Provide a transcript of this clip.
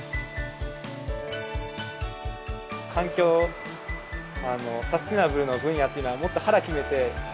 環境サステナブルの分野っていうのはもっと腹を決めてやらな